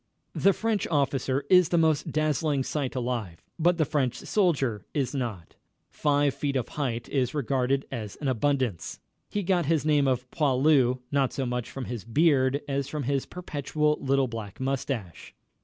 The French officer is the most dazzling sight alive, but the French soldier is not. Five feet of height is regarded as an abundance. He got his name of "poilu" not so much from his beard as from his perpetual little black mustache.